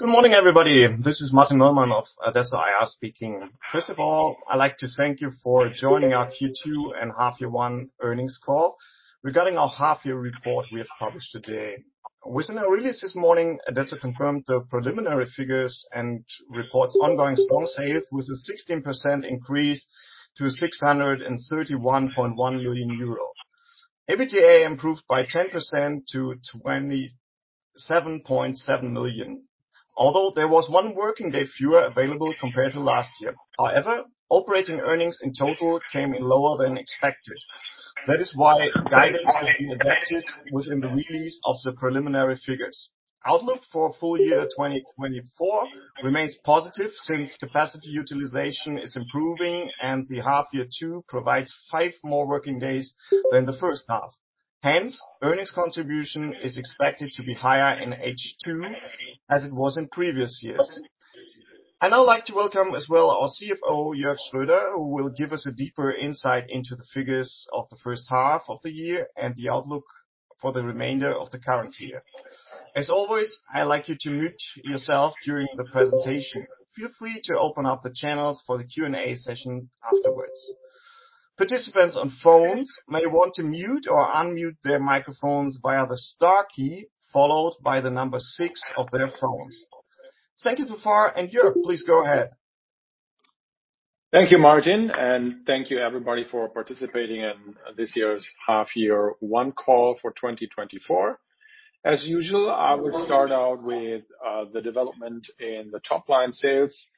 Good morning, everybody. This is Martin Möllmann of adesso IR speaking. First of all, I'd like to thank you for joining our Q2 and half-year 1 earnings call regarding our half-year report we have published today. Within our release this morning, adesso confirmed the preliminary figures and reports ongoing strong sales with a 16% increase to 631.1 million euro. EBITDA improved by 10% to 27.7 million, although there was one working day fewer available compared to last year. However, operating earnings in total came in lower than expected. That is why guidance has been adapted within the release of the preliminary figures. Outlook for full year 2024 remains positive, since capacity utilization is improving and the half-year 2 provides five more working days than the first half. Hence, earnings contribution is expected to be higher in H2 as it was in previous years. I'd now like to welcome as well our CFO, Jörg Schröder, who will give us a deeper insight into the figures of the first half of the year and the outlook for the remainder of the current year. As always, I'd like you to mute yourself during the presentation. Feel free to open up the channels for the Q&A session afterwards. Participants on phones may want to mute or unmute their microphones via the star key, followed by the number six of their phones. Thank you so far, and Jörg, please go ahead. Thank you, Martin, and thank you everybody for participating in this year's half-year 1 call for 2024. As usual, I will start out with the development in the top line sales. Growth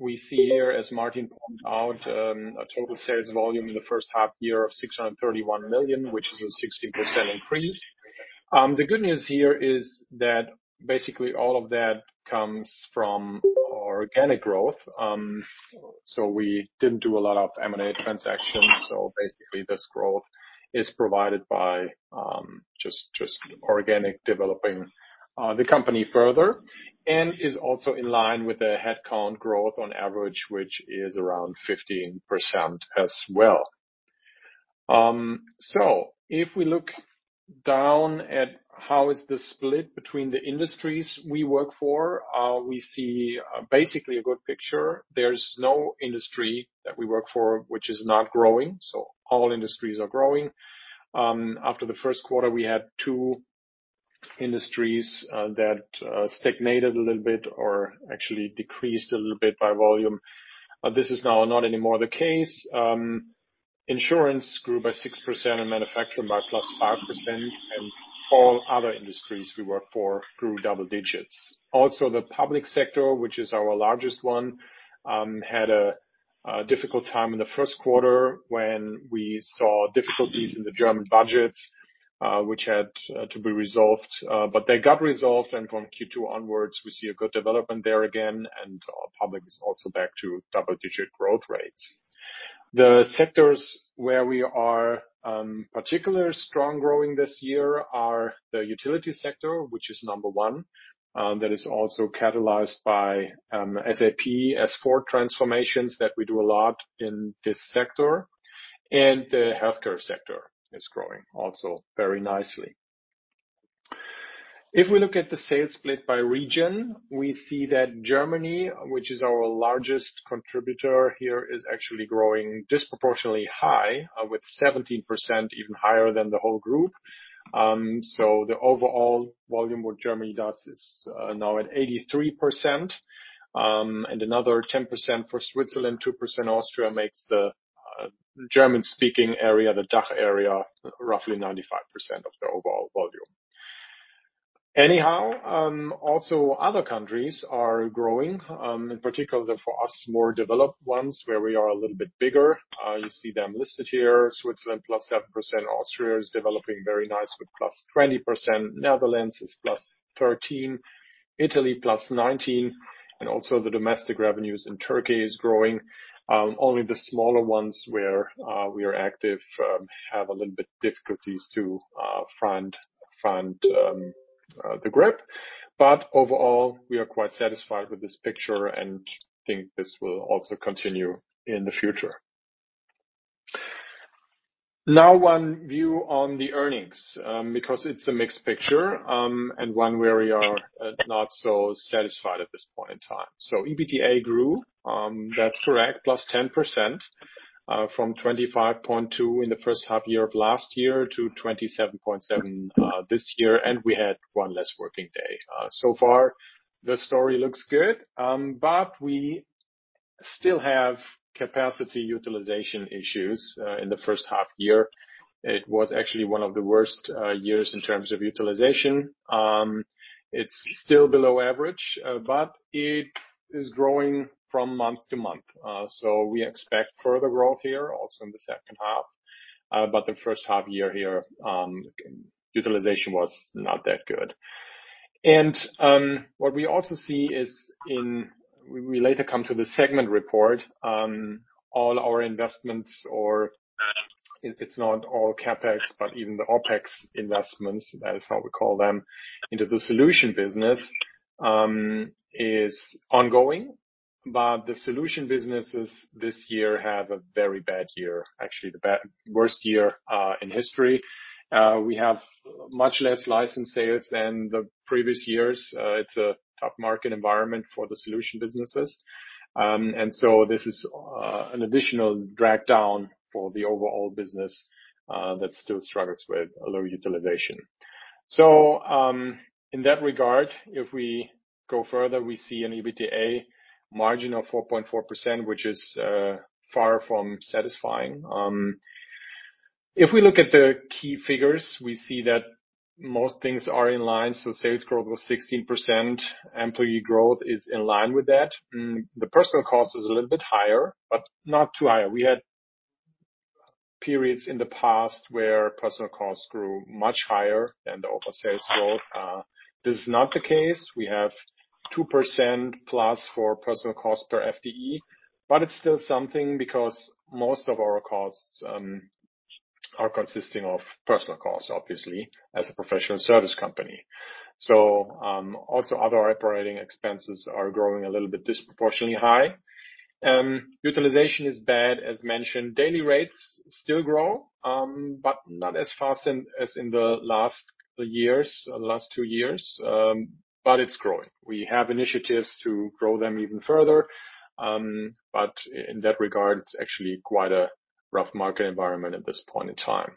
we see here, as Martin pointed out, a total sales volume in the first half year of 631 million, which is a 16% increase. The good news here is that basically all of that comes from organic growth. So we didn't do a lot of M&A transactions. So basically, this growth is provided by just organic developing the company further, and is also in line with the headcount growth on average, which is around 15% as well. So if we look down at how is the split between the industries we work for, we see basically a good picture. There's no industry that we work for which is not growing, so all industries are growing. After the first quarter, we had two industries that stagnated a little bit or actually decreased a little bit by volume. But this is now not anymore the case. Insurance grew by 6% and manufacturing by plus 5%, and all other industries we work for grew double digits. Also, the public sector, which is our largest one, had a difficult time in the first quarter when we saw difficulties in the German budgets, which had to be resolved. But they got resolved, and from Q2 onwards, we see a good development there again, and our public is also back to double-digit growth rates. The sectors where we are particularly strong growing this year are the utility sector, which is number one, that is also catalyzed by SAP S/4 transformations that we do a lot in this sector, and the healthcare sector is growing also very nicely. If we look at the sales split by region, we see that Germany, which is our largest contributor here, is actually growing disproportionately high with 17%, even higher than the whole group. So the overall volume what Germany does is now at 83%, and another 10% for Switzerland, 2% Austria, makes the German-speaking area, the DACH area, roughly 95% of the overall volume. Anyhow, also other countries are growing, in particular for us, more developed ones where we are a little bit bigger. You see them listed here, Switzerland, +7%. Austria is developing very nice with +20%. Netherlands is +13%, Italy +19%, and also the domestic revenues in Turkey is growing. Only the smaller ones where we are active have a little bit difficulties to find the grip. But overall, we are quite satisfied with this picture, and think this will also continue in the future. Now, one view on the earnings because it's a mixed picture, and one where we are not so satisfied at this point in time. EBITDA grew, that's correct, +10%, from 25.2 in the first half year of last year to 27.7 this year, and we had one less working day. So far, the story looks good, but we still have capacity utilization issues in the first half year. It was actually one of the worst years in terms of utilization. It's still below average, but it is growing from month to month. So we expect further growth here also in the second half. But the first half year here, utilization was not that good. And what we also see is... We later come to the segment report, all our investments or it's not all CapEx, but even the OpEx investments, that is how we call them, into the solution business, is ongoing. But the solution businesses this year have a very bad year, actually, the worst year in history. We have much less license sales than the previous years. It's a tough market environment for the solution businesses. And so this is an additional drag down for the overall business that still struggles with low utilization. In that regard, if we go further, we see an EBITDA margin of 4.4%, which is far from satisfying. If we look at the key figures, we see that most things are in line, so sales growth was 16%, employee growth is in line with that. The personnel cost is a little bit higher, but not too high. We had periods in the past where personnel costs grew much higher than the overall sales growth. This is not the case. We have 2% plus for personal costs per FTE, but it's still something because most of our costs are consisting of personal costs, obviously, as a professional service company. So, also other operating expenses are growing a little bit disproportionately high. Utilization is bad, as mentioned. Daily rates still grow, but not as fast in, as in the last years, the last two years, but it's growing. We have initiatives to grow them even further. But in that regard, it's actually quite a rough market environment at this point in time.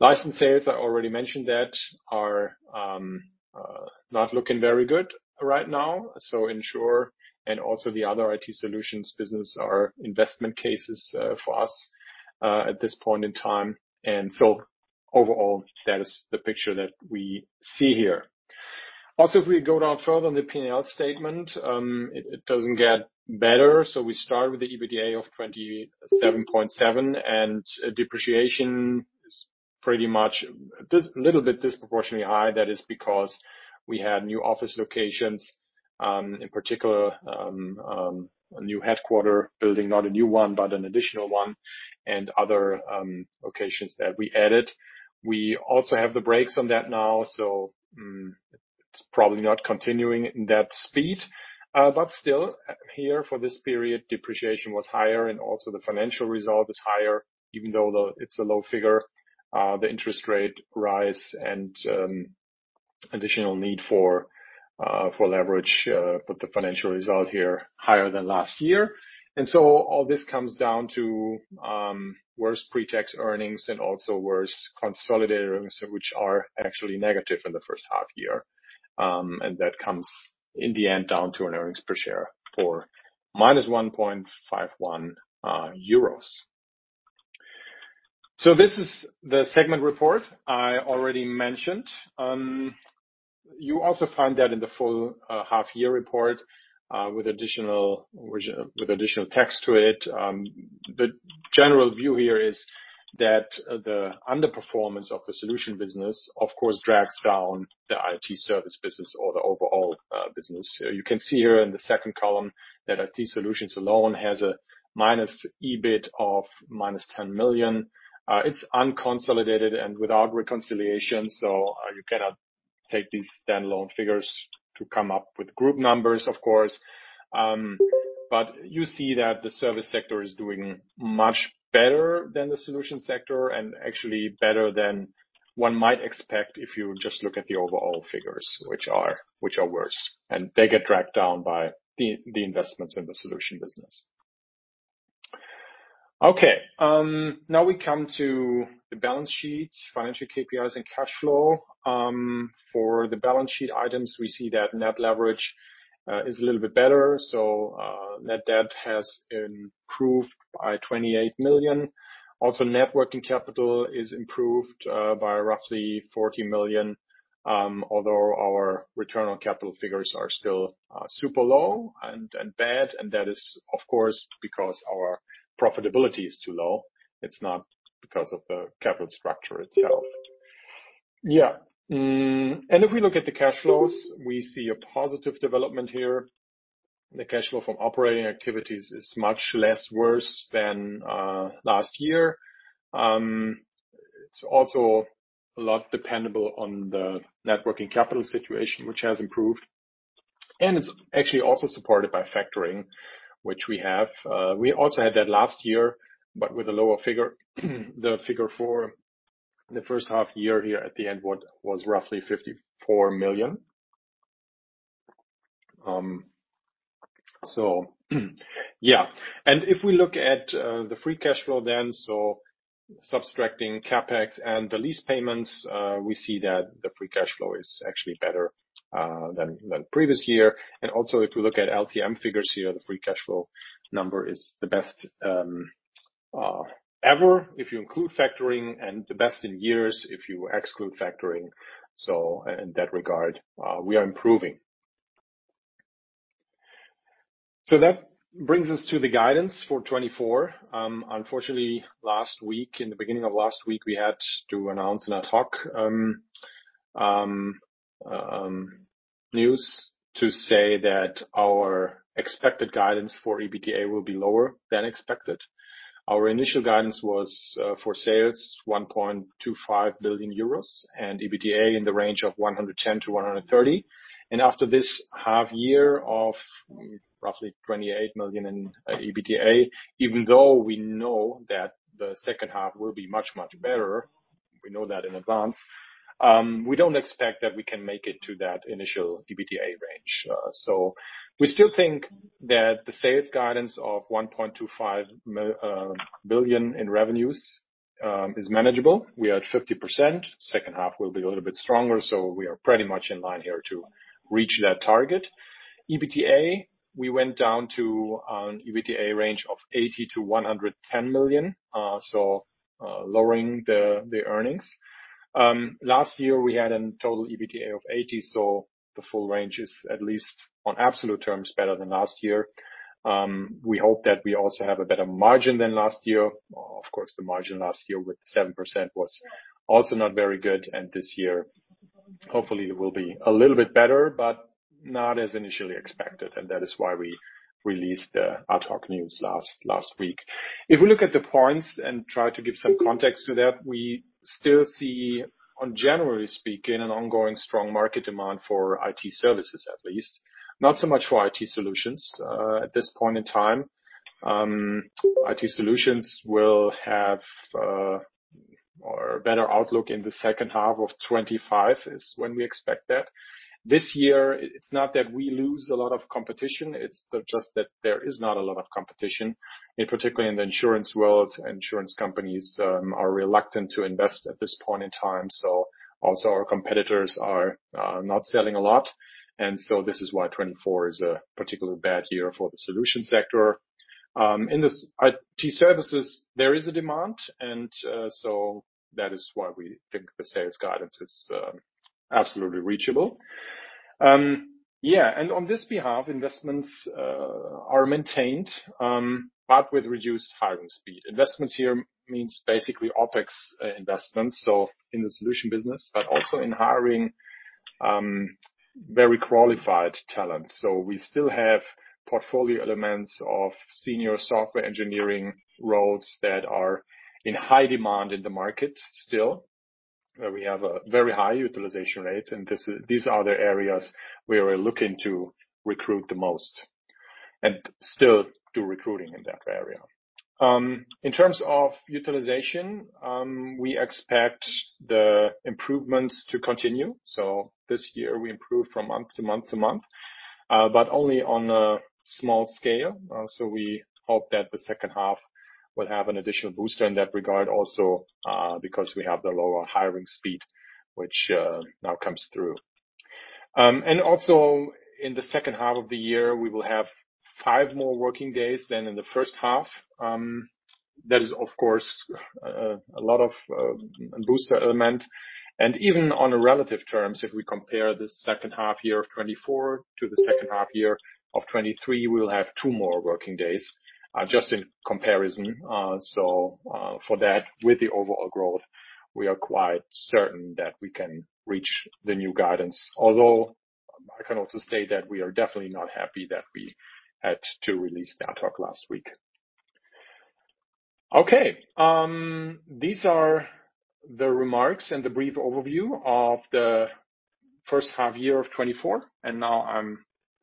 License sales, I already mentioned that, are not looking very good right now. So in|sure and also the other IT solutions business are investment cases for us at this point in time. And so overall, that is the picture that we see here. Also, if we go down further on the P&L statement, it doesn't get better. So we start with the EBITDA of 27.7, and depreciation is pretty much a little bit disproportionately high. That is because we had new office locations, in particular, a new headquarters building, not a new one, but an additional one, and other locations that we added. We also have the brakes on that now, so, it's probably not continuing in that speed. But still, here, for this period, depreciation was higher, and also the financial result is higher, even though it's a low figure. The interest rate rise and additional need for leverage put the financial result here higher than last year. All this comes down to worse pre-tax earnings and also worse consolidated results, which are actually negative in the first half-year. That comes, in the end, down to an earnings per share of -1.51 euros. This is the segment report I already mentioned. You also find that in the full half-year report with additional text to it. The general view here is that the underperformance of the solution business, of course, drags down the IT service business or the overall business. You can see here in the second column that IT solutions alone has an EBIT of -10 million. It's unconsolidated and without reconciliation, so you cannot take these standalone figures to come up with group numbers, of course. But you see that the service sector is doing much better than the solution sector, and actually better than one might expect if you just look at the overall figures, which are worse, and they get dragged down by the investments in the solution business. Okay, now we come to the balance sheet, financial KPIs, and cash flow. For the balance sheet items, we see that net leverage is a little bit better, so net debt has improved by 28 million. Also, net working capital is improved by roughly 40 million, although our return on capital figures are still super low and bad, and that is, of course, because our profitability is too low. It's not because of the capital structure itself. Yeah, and if we look at the cash flows, we see a positive development here. The cash flow from operating activities is much less worse than last year. It's also a lot dependent on the working capital situation, which has improved, and it's actually also supported by factoring, which we have. We also had that last year, but with a lower figure. The figure for the first half year here at the end was roughly 54 million. So yeah. If we look at the free cash flow then, so subtracting CapEx and the lease payments, we see that the free cash flow is actually better than previous year. Also, if you look at LTM figures here, the free cash flow number is the best ever, if you include factoring, and the best in years, if you exclude factoring. In that regard, we are improving. So that brings us to the guidance for 2024. Unfortunately, last week, in the beginning of last week, we had to announce an ad hoc news to say that our expected guidance for EBITDA will be lower than expected. Our initial guidance was for sales, 1.25 billion euros, and EBITDA in the range of 110 million-130 million. After this half year of roughly 28 million in EBITDA, even though we know that the second half will be much, much better, we know that in advance, we don't expect that we can make it to that initial EBITDA range. So we still think that the sales guidance of 1.25 billion in revenues is manageable. We are at 50%. Second half will be a little bit stronger, so we are pretty much in line here to reach that target. EBITDA, we went down to an EBITDA range of 80 million-110 million, so lowering the earnings. Last year, we had a total EBITDA of 80 million, so the full range is, at least on absolute terms, better than last year. We hope that we also have a better margin than last year. Of course, the margin last year with 7% was also not very good, and this year, hopefully it will be a little bit better, but not as initially expected, and that is why we released the ad hoc news last week. If we look at the points and try to give some context to that, we still see, on generally speaking, an ongoing strong market demand for IT services, at least. Not so much for IT solutions. At this point in time, IT solutions will have, or a better outlook in the second half of 2025, is when we expect that. This year, it's not that we lose a lot of competition, it's just that there is not a lot of competition, and particularly in the insurance world, insurance companies, are reluctant to invest at this point in time. So also our competitors are, not selling a lot, and so this is why 2024 is a particularly bad year for the solution sector. In this IT services, there is a demand, and so that is why we think the sales guidance is absolutely reachable. Yeah, and on this behalf, investments are maintained, but with reduced hiring speed. Investments here means basically OpEx investments, so in the solution business, but also in hiring very qualified talent. So we still have portfolio elements of senior software engineering roles that are in high demand in the market still, where we have a very high utilization rate, and this is—these are the areas where we're looking to recruit the most, and still do recruiting in that area. In terms of utilization, we expect the improvements to continue. So this year, we improved from month to month to month, but only on a small scale. So we hope that the second half will have an additional booster in that regard also, because we have the lower hiring speed, which now comes through. And also, in the second half of the year, we will have five more working days than in the first half. That is, of course, a lot of booster element. And even on a relative terms, if we compare the second half year of 2024 to the second half year of 2023, we will have two more working days, just in comparison. So, for that, with the overall growth, we are quite certain that we can reach the new guidance. Although, I can also state that we are definitely not happy that we had to release the ad hoc last week. Okay, these are the remarks and the brief overview of the first half year of 2024, and now I'm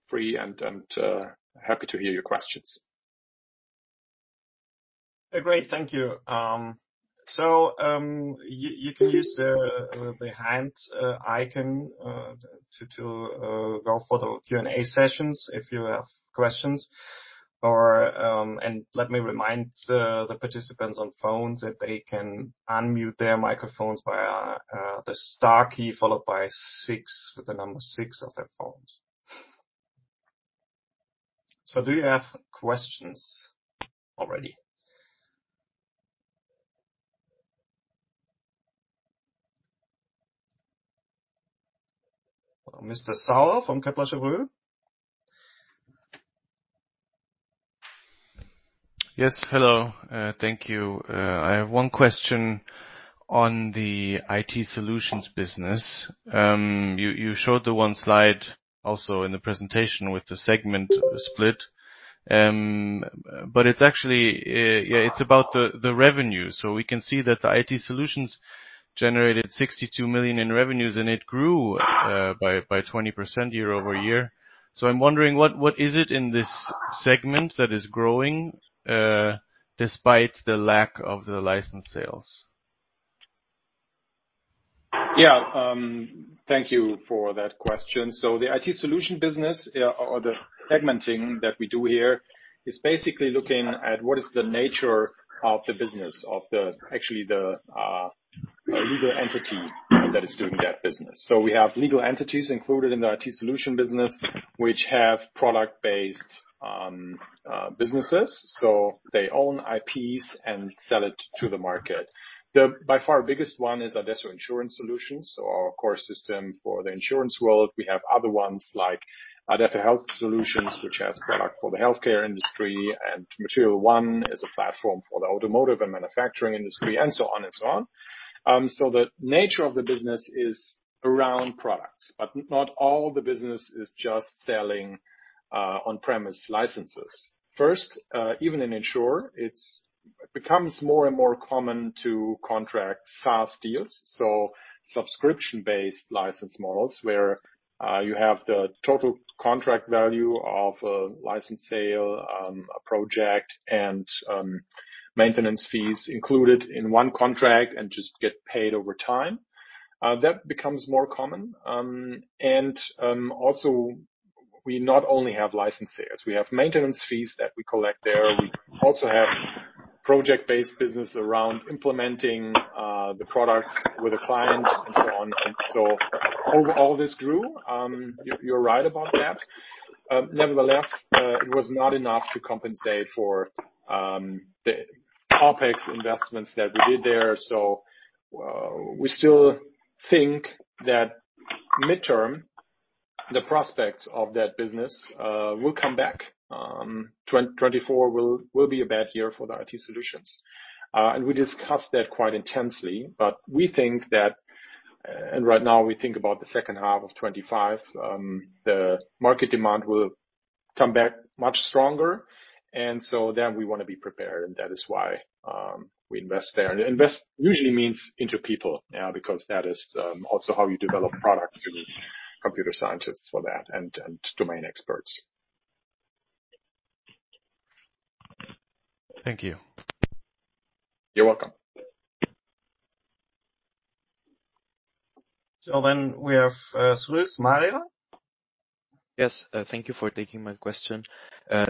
free and happy to hear your questions. Great, thank you. So you can use the hand icon to go for the Q&A sessions if you have questions. Or let me remind the participants on phones that they can unmute their microphones via the star key, followed by six, with the number six of their phones. So do you have questions already? Mr. Sauer from Kepler Cheuvreux. Yes, hello. Thank you. I have one question on the IT solutions business. You showed the one slide also in the presentation with the segment split, but it's actually... yeah, it's about the, the revenue. So we can see that the IT solutions generated 62 million in revenues, and it grew by 20% year-over-year. So I'm wondering, what is it in this segment that is growing despite the lack of the license sales? Yeah, thank you for that question. So the IT solution business, or the segmenting that we do here, is basically looking at what is the nature of the business, of actually the legal entity that is doing that business. So we have legal entities included in the IT solution business, which have product-based businesses, so they own IPs and sell it to the market. The by far biggest one is adesso Insurance Solutions, so our core system for the insurance world. We have other ones, like adesso Health Solutions, which has product for the healthcare industry, and material.one is a platform for the automotive and manufacturing industry, and so on and so on. So the nature of the business is around products, but not all the business is just selling on-premise licenses. First, even in|sure, it's-... It becomes more and more common to contract SaaS deals, so subscription-based license models, where you have the total contract value of a license sale, a project, and maintenance fees included in one contract and just get paid over time. That becomes more common. And also, we not only have license sales, we have maintenance fees that we collect there. We also have project-based business around implementing the products with the client and so on. And so overall this grew. You're right about that. Nevertheless, it was not enough to compensate for the CapEx investments that we did there. So we still think that midterm, the prospects of that business will come back. 2024 will be a bad year for the IT solutions. We discussed that quite intensely, but we think that, and right now we think about the second half of 2025, the market demand will come back much stronger, and so then we want to be prepared, and that is why we invest there. Invest usually means into people now, because that is also how you develop products, you need computer scientists for that and and domain experts. Thank you. You're welcome. So then we have, Suez Mariya? Yes, thank you for taking my question.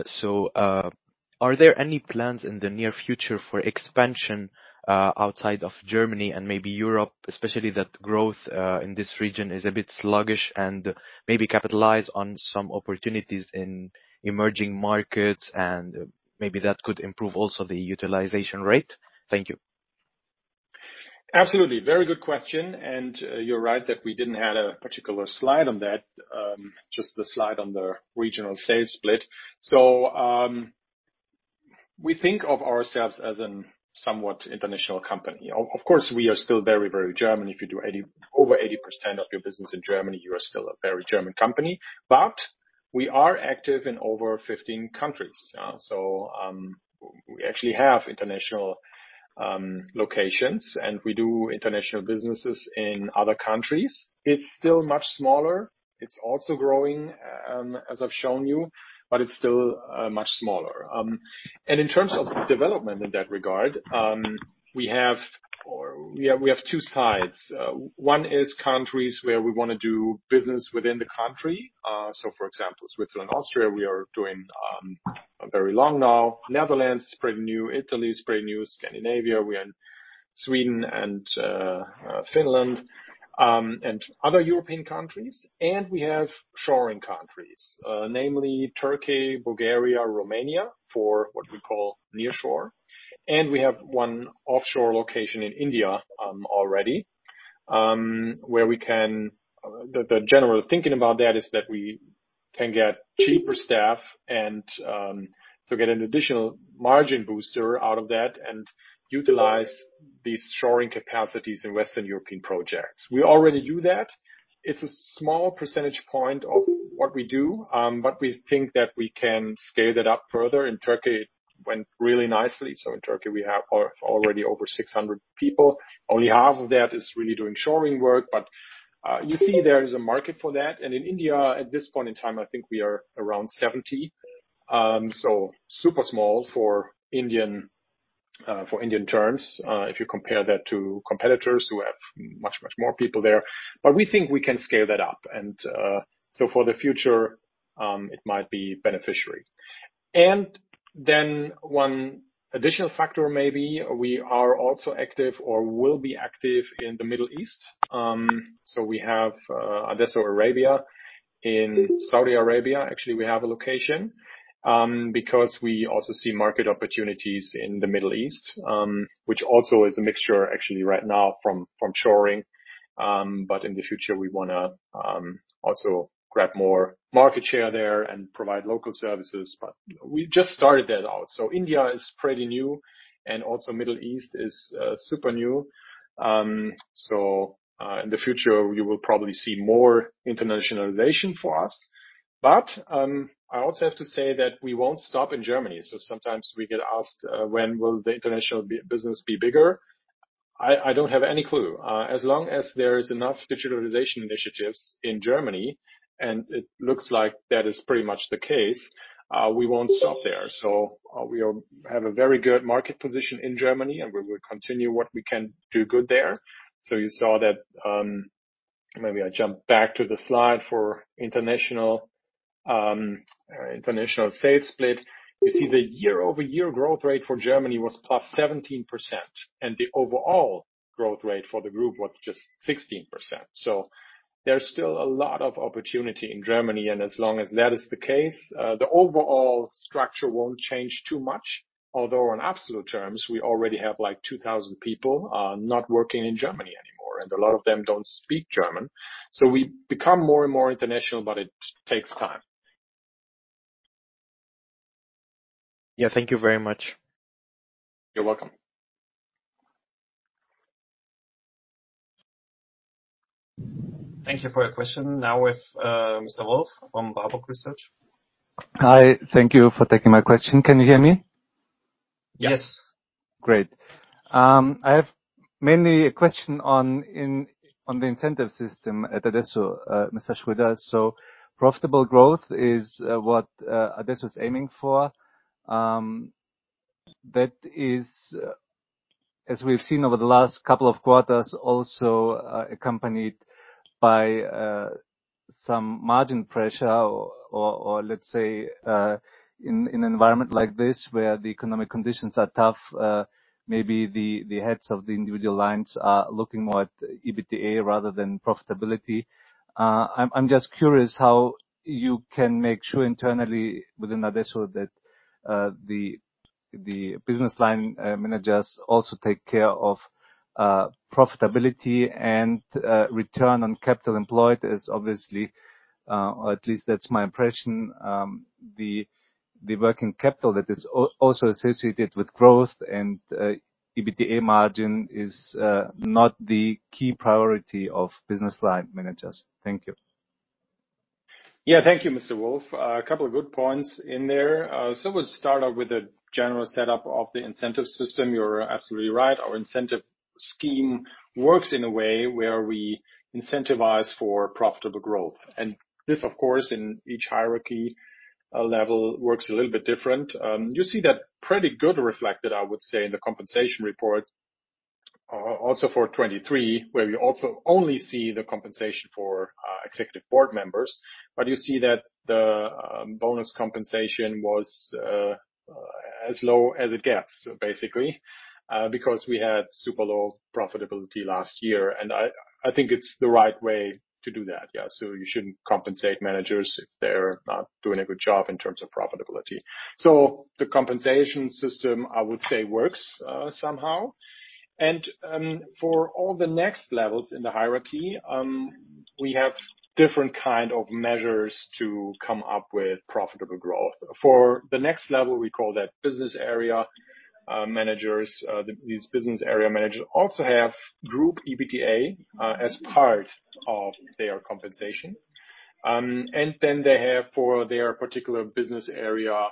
So, are there any plans in the near future for expansion, outside of Germany and maybe Europe, especially that growth in this region is a bit sluggish, and maybe capitalize on some opportunities in emerging markets, and maybe that could improve also the utilization rate? Thank you. Absolutely. Very good question, and you're right that we didn't have a particular slide on that, just the slide on the regional sales split. So, we think of ourselves as somewhat international company. Of course, we are still very, very German. If you do over 80% of your business in Germany, you are still a very German company, but we are active in over 15 countries. So, we actually have international locations, and we do international businesses in other countries. It's still much smaller. It's also growing, as I've shown you, but it's still much smaller. And in terms of development in that regard, we have two sides. One is countries where we wanna do business within the country. So, for example, Switzerland, Austria, we are doing very long now. Netherlands, pretty new. Italy, it's pretty new. Scandinavia, we're in Sweden and Finland and other European countries. We have shoring countries, namely Turkey, Bulgaria, Romania, for what we call nearshore. We have one offshore location in India already, where we can the general thinking about that is that we can get cheaper staff and so get an additional margin booster out of that and utilize these shoring capacities in Western European projects. We already do that. It's a small percentage point of what we do, but we think that we can scale it up further. In Turkey, it went really nicely. So in Turkey, we have already over 600 people. Only half of that is really doing shoring work, but you see there is a market for that. In India, at this point in time, I think we are around 70. So super small for Indian, for Indian terms, if you compare that to competitors who have much, much more people there. But we think we can scale that up. So for the future, it might be beneficial. Then one additional factor maybe, we are also active or will be active in the Middle East. So we have adesso Arabia in Saudi Arabia. Actually, we have a location because we also see market opportunities in the Middle East, which also is a mixture actually right now from shoring. But in the future, we wanna also grab more market share there and provide local services, but we just started that out. So India is pretty new, and also Middle East is super new. In the future, you will probably see more internationalization for us. But I also have to say that we won't stop in Germany. So sometimes we get asked, "When will the international business be bigger?" I don't have any clue. As long as there is enough digitalization initiatives in Germany, and it looks like that is pretty much the case, we won't stop there. So we have a very good market position in Germany, and we will continue what we can do good there. So you saw that... Maybe I jump back to the slide for international sales split. You see the year-over-year growth rate for Germany was +17%, and the overall growth rate for the group was just 16%. So there's still a lot of opportunity in Germany, and as long as that is the case, the overall structure won't change too much. Although in absolute terms, we already have, like, 2,000 people not working in Germany anymore, and a lot of them don't speak German. So we become more and more international, but it takes time. Yeah. Thank you very much. You're welcome.... Thank you for your question. Now with, Mr. Wolf from Warburg Research. Hi, thank you for taking my question. Can you hear me? Yes. Great. I have mainly a question on the incentive system at adesso, Mr. Schröder. So profitable growth is what adesso is aiming for. That is, as we've seen over the last couple of quarters, also accompanied by some margin pressure or let's say in an environment like this, where the economic conditions are tough, maybe the heads of the individual lines are looking more at EBITDA rather than profitability. I'm just curious how you can make sure internally within Adesso that the business line managers also take care of profitability and return on capital employed. Or at least that's my impression, the working capital that is also associated with growth and EBITDA margin is not the key priority of business line managers. Thank you. Yeah. Thank you, Mr. Wolf. A couple of good points in there. So we'll start off with the general setup of the incentive system. You're absolutely right. Our incentive scheme works in a way where we incentivize for profitable growth, and this, of course, in each hierarchy level, works a little bit different. You see that pretty good reflected, I would say, in the compensation report also for 2023, where you also only see the compensation for executive board members. But you see that the bonus compensation was as low as it gets, basically, because we had super low profitability last year, and I think it's the right way to do that. Yeah, so you shouldn't compensate managers if they're not doing a good job in terms of profitability. So the compensation system, I would say, works somehow. And, for all the next levels in the hierarchy, we have different kind of measures to come up with profitable growth. For the next level, we call that business area managers. These business area managers also have group EBITDA as part of their compensation. And then they have for their particular business area,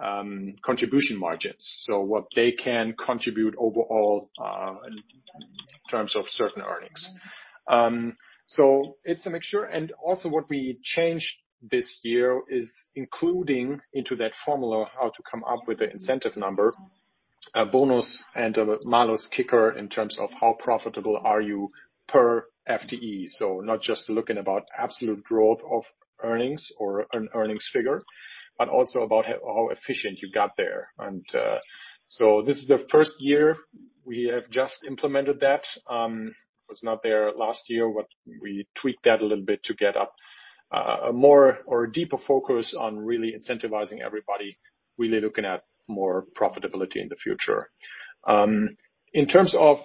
contribution margins, so what they can contribute overall in terms of certain earnings. So it's a mixture. And also what we changed this year is including into that formula how to come up with the incentive number, a bonus and a malus kicker in terms of how profitable are you per FTE. So not just looking about absolute growth of earnings or earnings figure, but also about how efficient you got there. And so this is the first year we have just implemented that. Was not there last year, but we tweaked that a little bit to get a more or a deeper focus on really incentivizing everybody, really looking at more profitability in the future. In terms of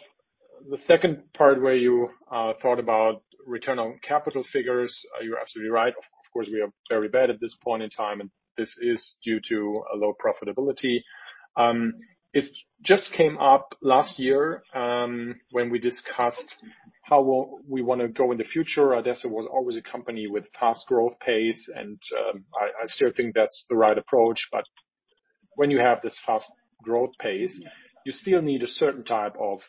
the second part, where you thought about return on capital figures, you're absolutely right. Of course, we are very bad at this point in time, and this is due to a low profitability. It just came up last year, when we discussed how we wanna go in the future. adesso was always a company with fast growth pace, and I still think that's the right approach, but when you have this fast growth pace, you still need a certain type of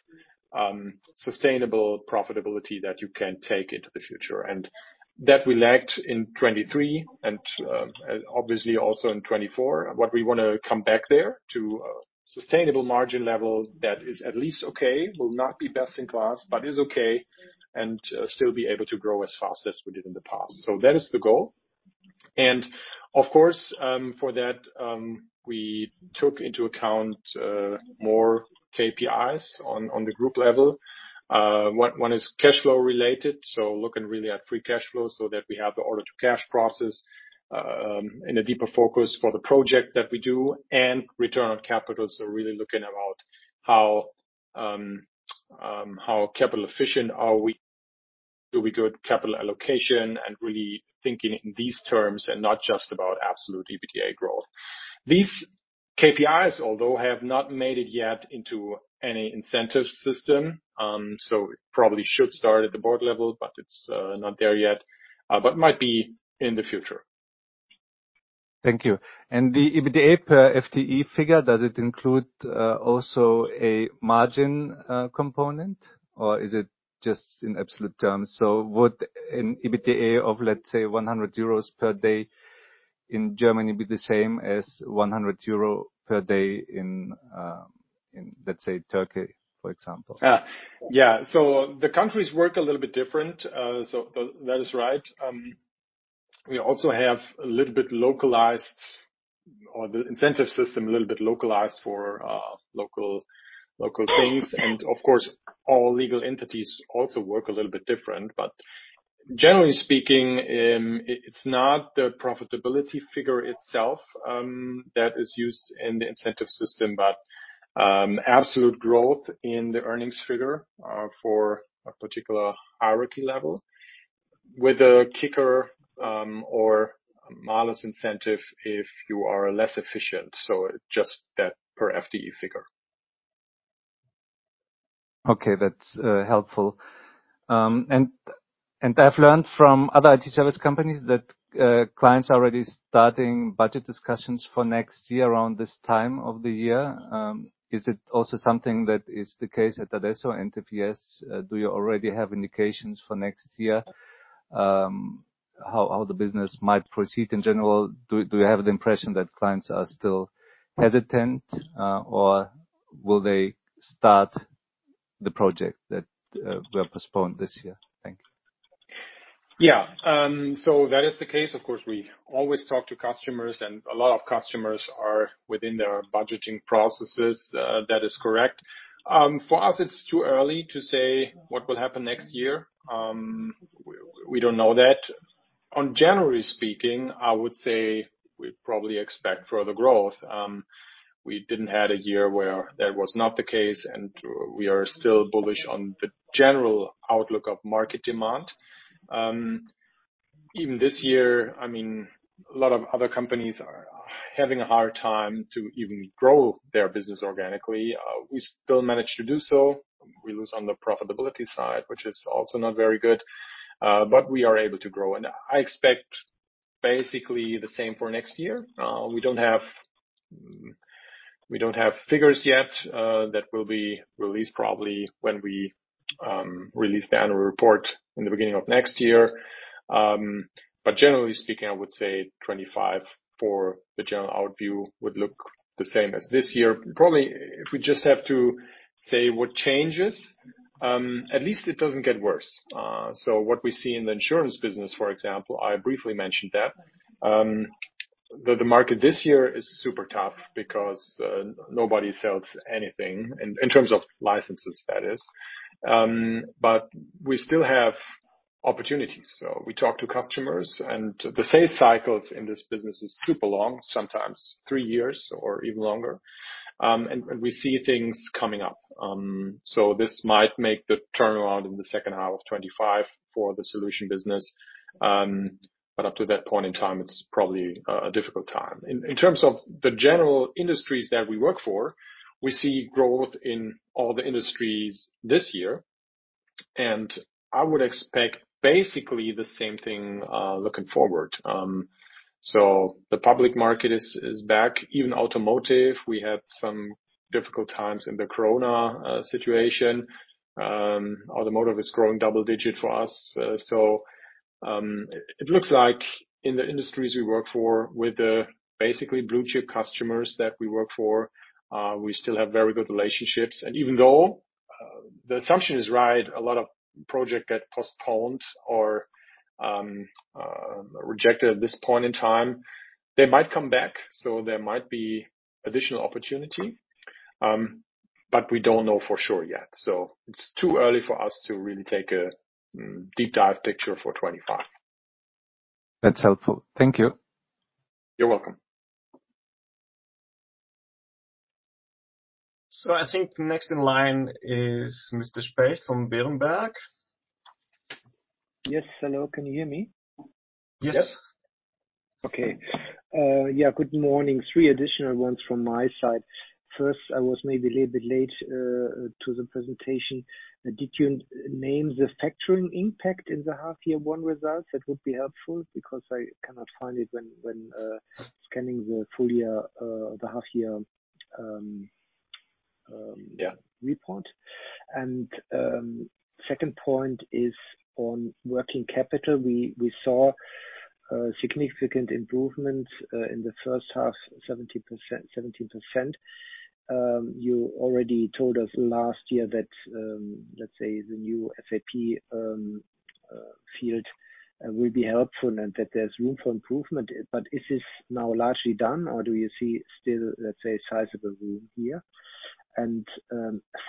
sustainable profitability that you can take into the future. That we lacked in 2023, and obviously also in 2024. What we wanna come back there to a sustainable margin level that is at least okay, will not be best in class, but is okay, and still be able to grow as fast as we did in the past. That is the goal. Of course, for that, we took into account more KPIs on the group level. One is cash flow related, so looking really at free cash flow so that we have the order to cash process, and a deeper focus for the project that we do and return on capital. So really looking about how capital efficient are we? Do we good capital allocation? And really thinking in these terms and not just about absolute EBITDA growth. These KPIs, although, have not made it yet into any incentive system, so it probably should start at the board level, but it's not there yet, but might be in the future. Thank you. And the EBITDA per FTE figure, does it include also a margin component, or is it just in absolute terms? So would an EBITDA of, let's say, 100 euros per day in Germany be the same as 100 euro per day in, let's say, Turkey, for example? Ah, yeah. So the countries work a little bit different. So that is right. We also have a little bit localized or the incentive system a little bit localized for local, local things. And of course, all legal entities also work a little bit different. But generally speaking, it's not the profitability figure itself that is used in the incentive system, but absolute growth in the earnings figure for a particular hierarchy level with a kicker or malus incentive if you are less efficient, so just that per FTE figure.... Okay, that's helpful. And I've learned from other IT service companies that clients are already starting budget discussions for next year around this time of the year. Is it also something that is the case at adesso and if yes, do you already have indications for next year, how the business might proceed in general? Do you have the impression that clients are still hesitant, or will they start the project that were postponed this year? Thank you. Yeah. So that is the case. Of course, we always talk to customers, and a lot of customers are within their budgeting processes. That is correct. For us, it's too early to say what will happen next year. We don't know that. In general speaking, I would say we probably expect further growth. We didn't had a year where that was not the case, and we are still bullish on the general outlook of market demand. Even this year, I mean, a lot of other companies are having a hard time to even grow their business organically. We still manage to do so. We lose on the profitability side, which is also not very good, but we are able to grow, and I expect basically the same for next year. We don't have figures yet, that will be released probably when we release the annual report in the beginning of next year. But generally speaking, I would say 2025 for the general outlook would look the same as this year. Probably, if we just have to say what changes, at least it doesn't get worse. So what we see in the insurance business, for example, I briefly mentioned that, the market this year is super tough because nobody sells anything, in terms of licenses, that is. But we still have opportunities. So we talk to customers, and the sales cycles in this business is super long, sometimes three years or even longer. And we see things coming up. So this might make the turnaround in the second half of 2025 for the solution business. But up to that point in time, it's probably a difficult time. In terms of the general industries that we work for, we see growth in all the industries this year, and I would expect basically the same thing looking forward. So the public market is back, even automotive. We had some difficult times in the Corona situation. Automotive is growing double-digit for us. So it looks like in the industries we work for, with the basically blue chip customers that we work for, we still have very good relationships. Even though the assumption is right, a lot of project get postponed or rejected at this point in time, they might come back, so there might be additional opportunity, but we don't know for sure yet. It's too early for us to really take a deep dive picture for 2025. That's helpful. Thank you. You're welcome. I think next in line is Mr. Specht from Berenberg. Yes, hello. Can you hear me? Yes. Yep. Okay. Yeah, good morning. Three additional ones from my side. First, I was maybe a little bit late to the presentation. Did you name the factoring impact in the half year one results? That would be helpful because I cannot find it when scanning the full year, the half year. Yeah -report. Second point is on working capital. We saw significant improvement in the first half, 70%, 17%. You already told us last year that, let's say, the new SAP field will be helpful and that there's room for improvement, but is this now largely done, or do you see still, let's say, sizable room here?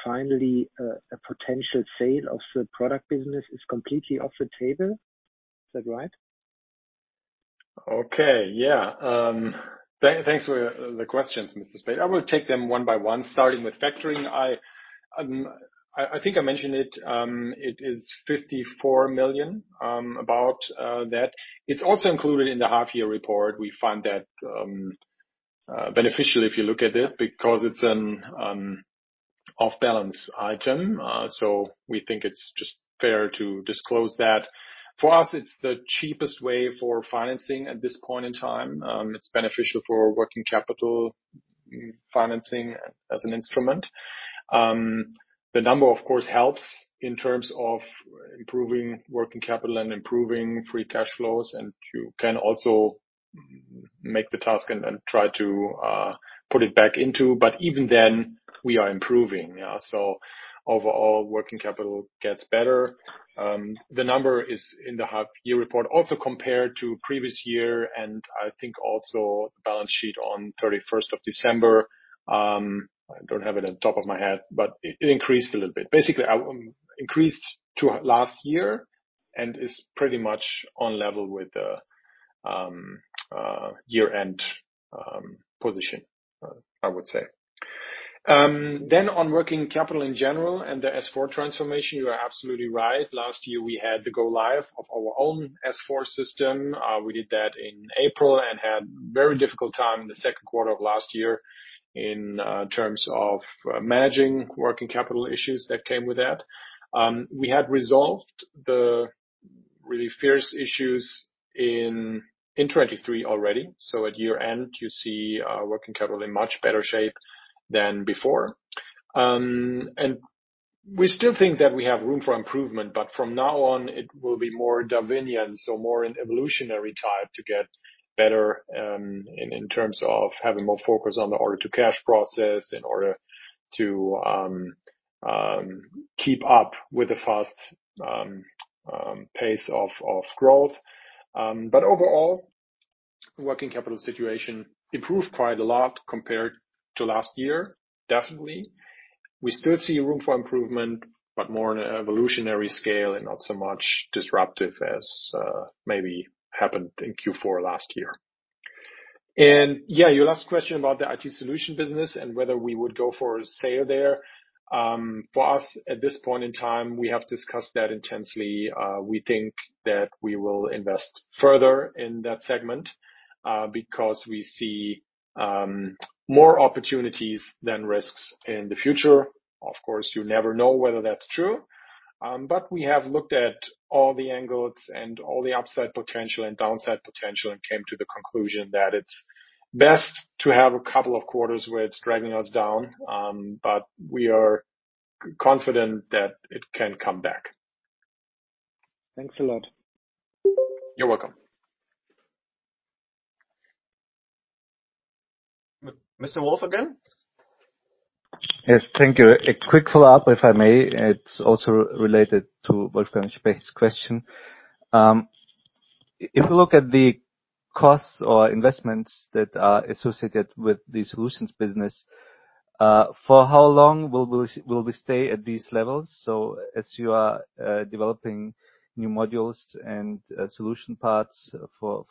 Finally, a potential sale of the product business is completely off the table. Is that right? Okay. Yeah, thanks for the questions, Mr. Specht. I will take them one by one, starting with factoring. I think I mentioned it, it is 54 million, about that. It's also included in the half-year report. We find that beneficial if you look at it, because it's an off-balance item. So we think it's just fair to disclose that. For us, it's the cheapest way for financing at this point in time. It's beneficial for working capital financing as an instrument. The number, of course, helps in terms of improving working capital and improving free cash flows, and you can also make the task and try to put it back into, but even then, we are improving. Yeah, so overall, working capital gets better. The number is in the half-year report, also compared to previous year, and I think also the balance sheet on thirty-first of December. I don't have it at the top of my head, but it increased a little bit. Basically, increased to last year and is pretty much on level with the year-end position, I would say. Then on working capital in general and the S4 transformation, you are absolutely right. Last year, we had the go live of our own S4 system. We did that in April and had very difficult time in the second quarter of last year in terms of managing working capital issues that came with that. We had resolved really fierce issues in 2023 already. So at year-end, you see our working capital in much better shape than before. And we still think that we have room for improvement, but from now on, it will be more dominion, so more an evolutionary type to get better, in terms of having more focus on the Order to Cash process, in order to keep up with the fast pace of growth. But overall, Working Capital situation improved quite a lot compared to last year, definitely. We still see room for improvement, but more on a evolutionary scale and not so much disruptive as maybe happened in Q4 last year. And, yeah, your last question about the IT solution business and whether we would go for a sale there. For us, at this point in time, we have discussed that intensely. We think that we will invest further in that segment, because we see more opportunities than risks in the future. Of course, you never know whether that's true, but we have looked at all the angles and all the upside potential and downside potential, and came to the conclusion that it's best to have a couple of quarters where it's dragging us down, but we are confident that it can come back. Thanks a lot. You're welcome. Mr. Wolf again? Yes, thank you. A quick follow-up, if I may. It's also related to Wolfgang Specht's question. If you look at the costs or investments that are associated with the solutions business, for how long will we stay at these levels? So as you are developing new modules and solution parts for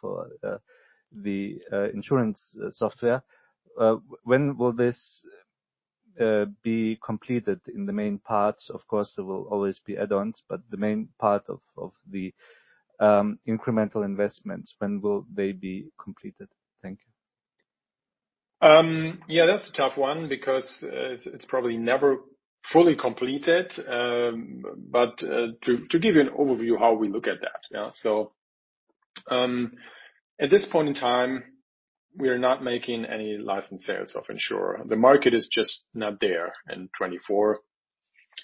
the insurance software, when will this be completed in the main parts? Of course, there will always be add-ons, but the main part of the incremental investments, when will they be completed? Thank you. Yeah, that's a tough one because it's probably never fully completed. But to give you an overview how we look at that, yeah. So, at this point in time, we are not making any license sales of in|sure. The market is just not there in 2024.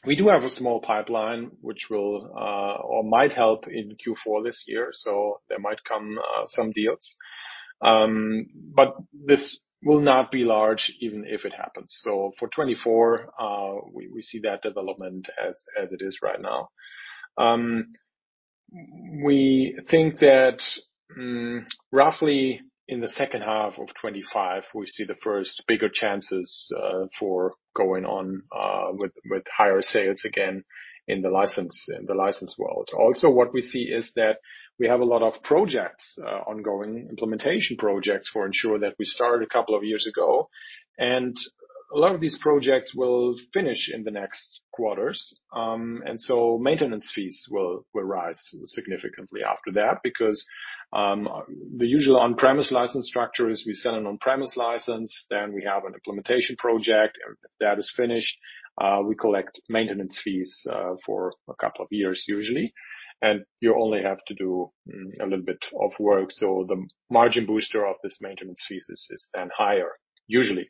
We do have a small pipeline which will or might help in Q4 this year, so there might come some deals. But this will not be large even if it happens. So for 2024, we see that development as it is right now. We think that roughly in the second half of 2025, we see the first bigger chances for going on with higher sales again in the license world. Also, what we see is that we have a lot of projects, ongoing, implementation projects, for in|sure that we started a couple of years ago. And a lot of these projects will finish in the next quarters. And so maintenance fees will rise significantly after that because the usual on-premise license structure is we sell an on-premise license, then we have an implementation project. When that is finished, we collect maintenance fees for a couple of years, usually. And you only have to do a little bit of work, so the margin booster of this maintenance fees is then higher, usually.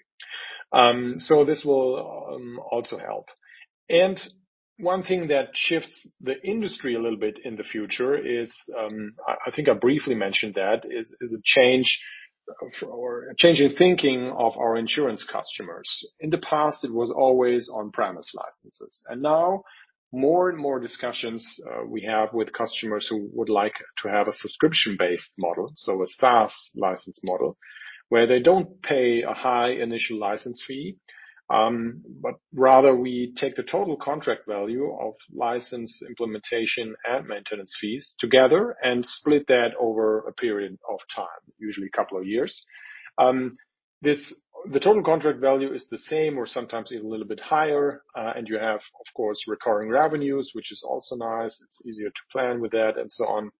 So this will also help. One thing that shifts the industry a little bit in the future is, I think I briefly mentioned that, a change in thinking of our insurance customers. In the past, it was always on-premise licenses, and now more and more discussions we have with customers who would like to have a subscription-based model, so a SaaS license model, where they don't pay a high initial license fee, but rather we take the total contract value of license, implementation, and maintenance fees together and split that over a period of time, usually a couple of years. The total contract value is the same or sometimes even a little bit higher, and you have, of course, recurring revenues, which is also nice. It's easier to plan with that, and so on.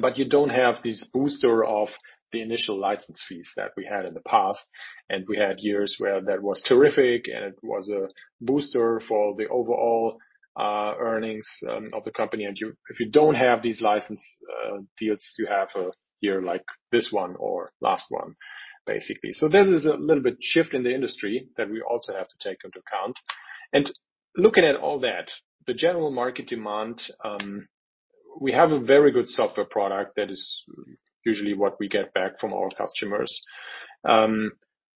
But you don't have this booster of the initial license fees that we had in the past. And we had years where that was terrific, and it was a booster for the overall earnings of the company. And if you don't have these license deals, you have a year like this one or last one, basically. So this is a little bit shift in the industry that we also have to take into account. And looking at all that, the general market demand, we have a very good software product. That is usually what we get back from our customers.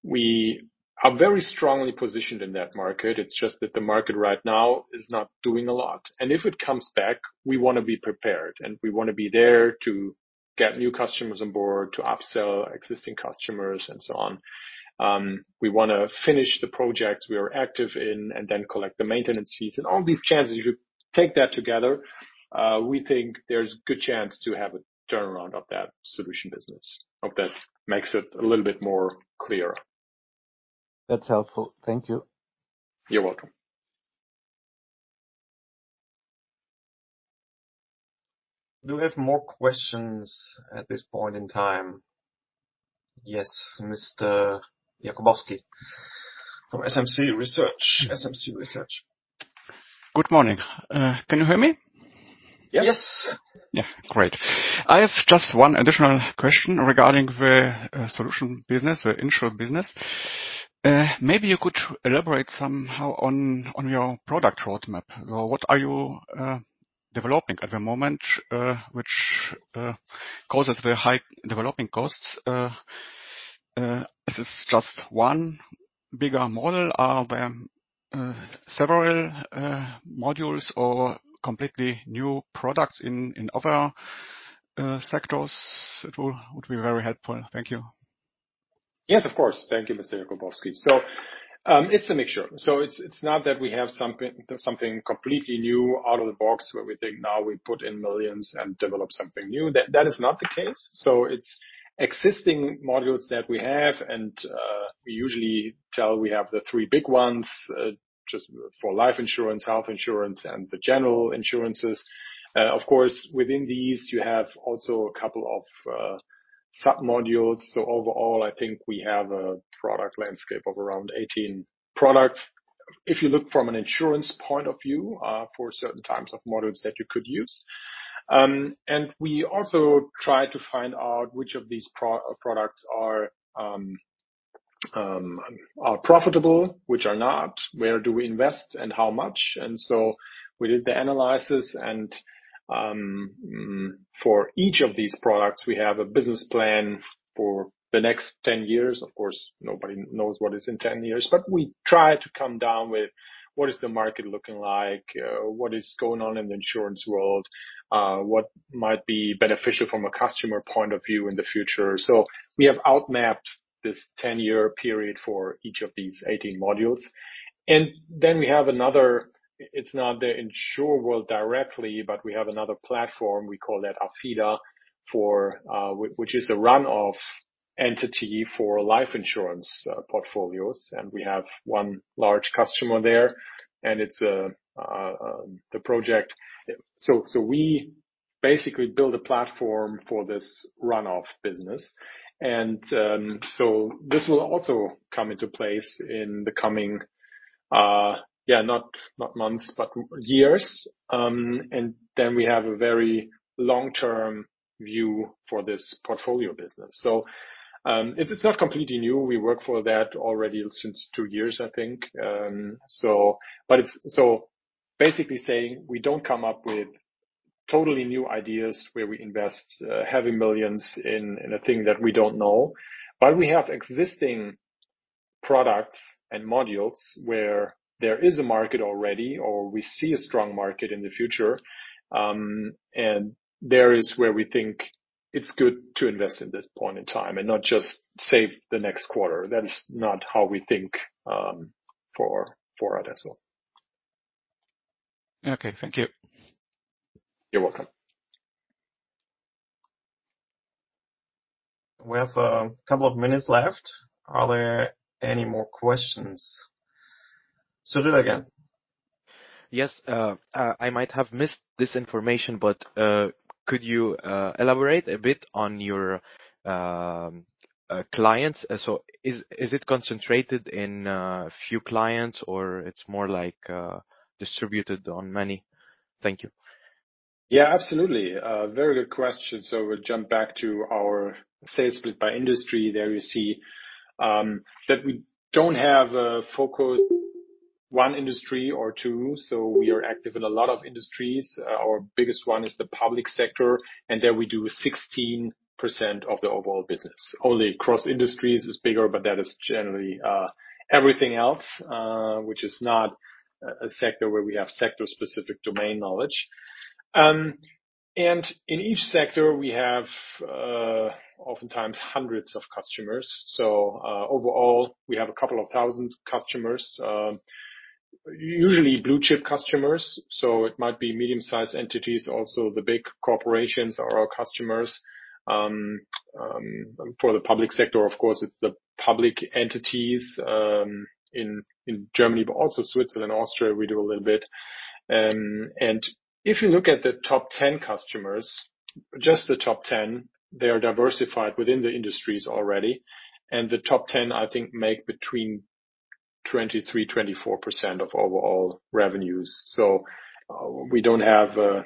We are very strongly positioned in that market. It's just that the market right now is not doing a lot. If it comes back, we wanna be prepared, and we wanna be there to get new customers on board, to upsell existing customers, and so on. We wanna finish the projects we are active in and then collect the maintenance fees. All these chances, if you take that together, we think there's a good chance to have a turnaround of that solution business. Hope that makes it a little bit more clear. That's helpful. Thank you. You're welcome. Do we have more questions at this point in time?... Yes, Mr. Jakubowski from SMC Research, SMC Research. Good morning. Can you hear me? Yes. Yeah, great. I have just one additional question regarding the solution business, the insurer business. Maybe you could elaborate somehow on your product roadmap, or what are you developing at the moment, which causes the high developing costs? Is this just one bigger model? Are there several modules or completely new products in other sectors? It would be very helpful. Thank you. Yes, of course. Thank you, Mr. Jakubowski. So, it's a mixture. So it's not that we have something completely new out of the box, where we think now we put in millions and develop something new. That is not the case. So it's existing modules that we have, and we usually tell we have the three big ones, just for life insurance, health insurance, and the general insurances. Of course, within these, you have also a couple of sub-modules. So overall, I think we have a product landscape of around 18 products. If you look from an insurance point of view, for certain types of models that you could use. And we also try to find out which of these products are profitable, which are not, where do we invest, and how much. And so we did the analysis and, for each of these products, we have a business plan for the next 10 years. Of course, nobody knows what is in 10 years, but we try to come down with, what is the market looking like, what is going on in the insurance world, what might be beneficial from a customer point of view in the future? So we have outmapped this 10-year period for each of these 18 modules. And then we have another... It's not the insurer world directly, but we have another platform. We call that Afida, for which is a run-off entity for life insurance portfolios, and we have one large customer there, and it's the project. So we basically build a platform for this run-off business. So this will also come into place in the coming, not, not months, but years. And then we have a very long-term view for this portfolio business. So, it's not completely new. We work for that already since two years, I think. So basically saying, we don't come up with totally new ideas where we invest heavy millions in a thing that we don't know. But we have existing products and modules where there is a market already or we see a strong market in the future. And there is where we think it's good to invest in that point in time and not just save the next quarter. That's not how we think for, for adesso. Okay, thank you. You're welcome. We have a couple of minutes left. Are there any more questions? So do again. Yes, I might have missed this information, but could you elaborate a bit on your clients? So is it concentrated in few clients, or it's more like distributed on many? Thank you. Yeah, absolutely. A very good question. So we'll jump back to our sales split by industry. There you see that we don't have a focus, one industry or two, so we are active in a lot of industries. Our biggest one is the public sector, and there we do 16% of the overall business. Only cross industries is bigger, but that is generally everything else, which is not a sector where we have sector-specific domain knowledge. And in each sector, we have oftentimes hundreds of customers. So overall, we have a couple of thousand customers, usually blue-chip customers, so it might be medium-sized entities. Also, the big corporations are our customers. For the public sector, of course, it's the public entities in Germany, but also Switzerland, Austria, we do a little bit. If you look at the top 10 customers, just the top 10, they are diversified within the industries already, and the top 10, I think, make between 23%-24% of overall revenues. We don't have a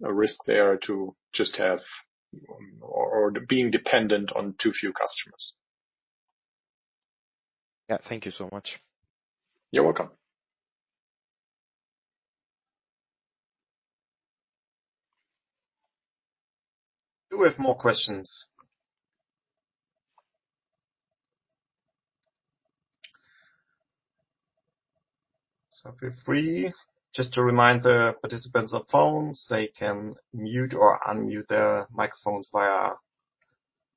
risk there to just have or being dependent on too few customers. Yeah. Thank you so much. You're welcome. Do we have more questions? So feel free. Just to remind the participants on phones, they can mute or unmute their microphones via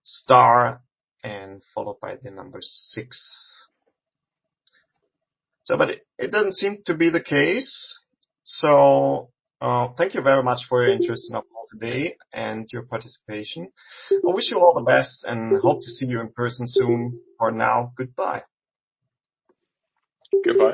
star and followed by the number 6. So, but it doesn't seem to be the case. So, thank you very much for your interest in adesso today and your participation. We wish you all the best and hope to see you in person soon. For now, goodbye. Goodbye.